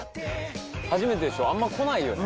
初めてでしょあんま来ないよね。